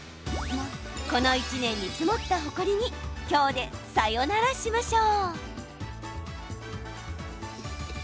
この１年に積もったほこりに今日で、さよならしましょう。